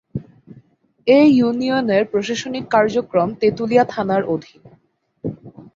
এ ইউনিয়নের প্রশাসনিক কার্যক্রম তেতুলিয়া থানার অধীন।